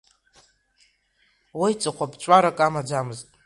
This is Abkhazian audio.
Уи ҵыхәаԥҵәарак амаӡамызт.